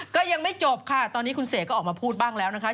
ก็ยังไม่จบค่ะตอนนี้คุณเสกก็ออกมาพูดบ้างแล้วนะคะ